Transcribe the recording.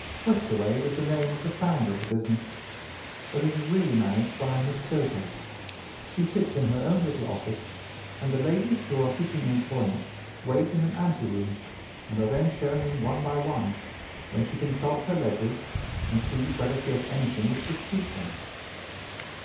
Westaway was the name of the founder of the business, but it is really managed by Miss Stoper. She sits in her own little office, and the ladies who are seeking employment wait in an anteroom, and are then shown in one by one, when she consults her ledgers and sees whether she has anything which would suit them.